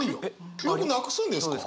記憶なくすんですか？